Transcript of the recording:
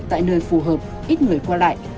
tại nơi phù hợp ít người qua lại